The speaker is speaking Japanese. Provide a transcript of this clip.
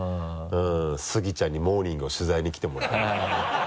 スギちゃんにモーニングを取材に来てもらうみたいな。